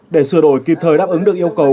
để sửa đổi kịp thời đáp ứng được yêu cầu